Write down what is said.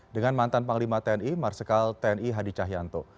dengan mantan panglima tni marsikal tni hadi cahyanto